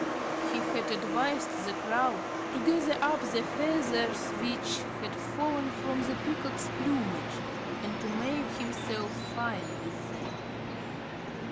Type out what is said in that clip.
He had advised the Crow to gather up the feathers which had fallen from the Peacock's plumage and to make himself fine with them.